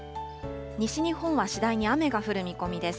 西日本は次第に雨が降る見込みです。